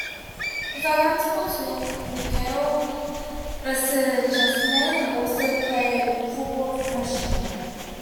His identical twin Mikhail Beschastnykh also played football professionally.